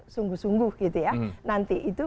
sungguh sungguh gitu ya nanti itu